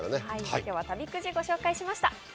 今日は旅くじをご紹介しました。